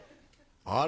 あれ？